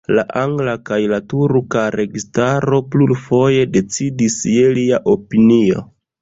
La angla kaj la turka registaro plurfoje decidis je lia opinio.